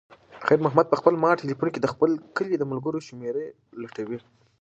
خیر محمد په خپل مات تلیفون کې د خپل کلي د ملګرو شمېرې لټولې.